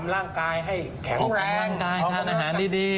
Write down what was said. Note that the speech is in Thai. ทำร่างกายให้แข็งแรงทำร่างกายทานอาหารดี